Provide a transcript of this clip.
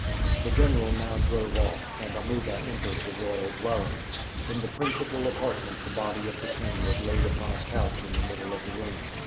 The general now drove off, and Amuba entered the royal dwellings. In the principal apartment the body of the king was laid upon a couch in the middle of the room.